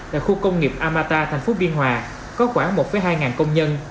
là khu công nghiệp amata thành phố biên hòa có khoảng một hai ngàn công nhân